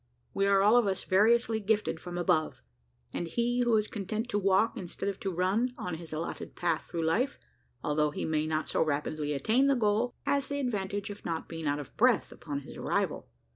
We are all of us variously gifted from Above, and he who is content to walk, instead of to run, on his allotted path through life, although he may not so rapidly attain the goal, has the advantage of not being out of breath upon his arrival.